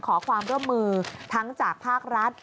ขอความร่วมมือทั้งจากภาครัฐ